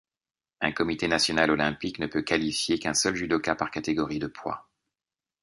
Un comité national olympique ne peut qualifier qu'un seul judoka par catégorie de poids.